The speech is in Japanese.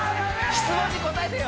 質問に答えてよ